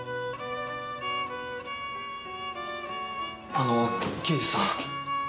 あの刑事さん。